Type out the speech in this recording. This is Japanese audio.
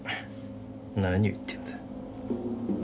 何を言ってるんだ。